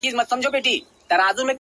• له حجرو څخه به ږغ د ټنګ ټکور وي,